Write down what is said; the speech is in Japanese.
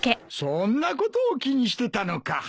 そんなことを気にしてたのか。